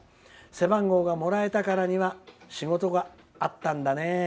背番号がもらえたからには仕事があったんだね。